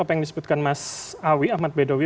apa yang disebutkan mas awi ahmad bedowi